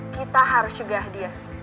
kita harus cegah dia